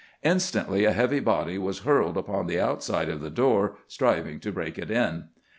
Instantly a heavy body was hurled upon the outside of the door, striving to break it in.